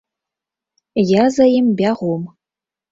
Я за ім бягом.